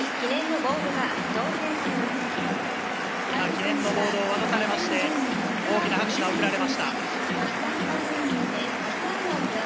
記念のボードが渡されて、大きな拍手が贈られました。